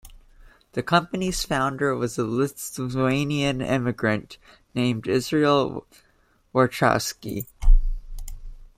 The company's founder was a Lithuanian immigrant named Israel Warshawsky.